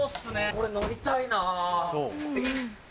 これ乗りたいな。